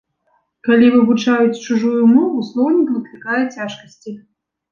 Калі вывучаюць чужую мову, слоўнік выклікае цяжкасці.